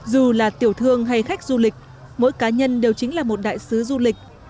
dù là tiểu thương hay khách du lịch mỗi cá nhân đều chính là một đại sứ du lịch